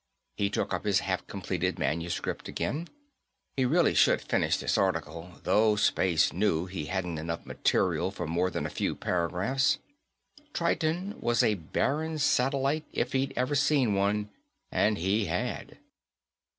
He took up his half completed manuscript again. He really should finish this article, though, space knew, he hadn't enough material for more than a few paragraphs. Triton was a barren satellite if he'd ever seen one and he had.